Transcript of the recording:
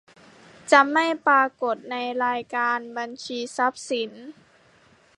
จะไม่ปรากฏในรายการบัญชีทรัพย์สิน